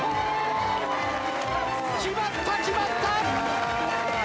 決まった、決まった！